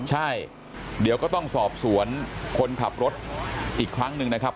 ใช่เดี๋ยวก็ต้องสอบสวนคนขับรถอีกครั้งหนึ่งนะครับ